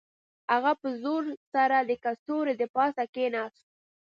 هغه په زور سره د کڅوړې د پاسه کښیناست